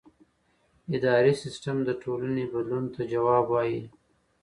اداري سیستم د ټولنې بدلون ته ځواب وايي.